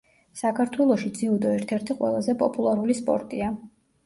საქართველოში ძიუდო ერთ-ერთი ყველაზე პოპულარული სპორტია.